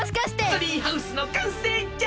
ツリーハウスのかんせいじゃ！